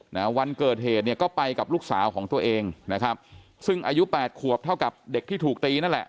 วันเกิดเหตุเนี่ยก็ไปกับลูกสาวของตัวเองนะครับซึ่งอายุแปดขวบเท่ากับเด็กที่ถูกตีนั่นแหละ